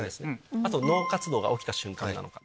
あと脳活動が起きた瞬間なのか。